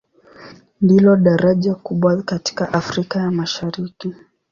Ndilo daraja kubwa katika Afrika ya Mashariki.